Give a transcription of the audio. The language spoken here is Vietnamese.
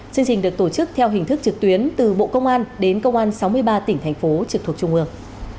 chương trình được tổ chức theo hình thức trực tuyến từ bộ công an đến công an sáu mươi ba tỉnh thành phố trực thuộc trung ương